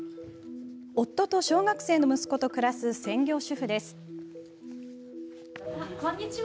夫と小学生の息子と暮らす専業主婦です。